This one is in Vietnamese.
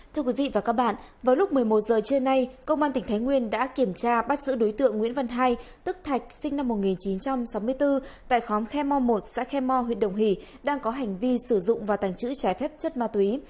thưa quý vị và các bạn vào lúc một mươi một giờ trưa nay công an tỉnh thái nguyên đã kiểm tra bắt giữ đối tượng nguyễn văn hai tức thạch sinh năm một nghìn chín trăm sáu mươi bốn tại khóm khe mo một xã khe mo huyện đồng hỷ đang có hành vi sử dụng và tàng trữ trái phép chất ma túy